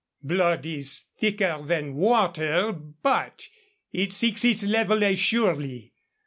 "Blood is thicker than water, but it seeks its level as surely.